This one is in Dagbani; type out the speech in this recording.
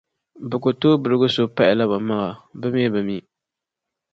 Bɛ ku tooi birigi so m-pahila bɛ maŋa, bɛ mi bi mi.